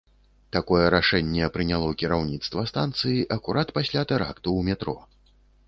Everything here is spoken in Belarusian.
Такое рашэнне прыняло кіраўніцтва станцыі акурат пасля тэракту ў метро.